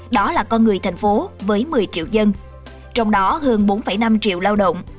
đó là con người thành phố với một mươi triệu dân trong đó hơn bốn năm triệu lao động